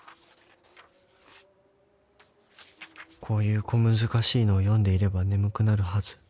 こういう小難しいのを読んでいれば眠くなるはず